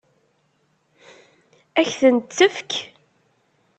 Ad k-tent-tefk?